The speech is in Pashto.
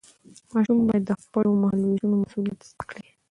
ماشوم باید د خپلو مهالوېشونو مسؤلیت زده کړي.